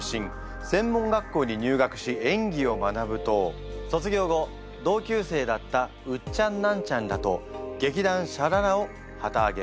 専門学校に入学し演技を学ぶと卒業後同級生だったウッチャンナンチャンらと「劇団ＳＨＡ・ＬＡ・ＬＡ」を旗あげ。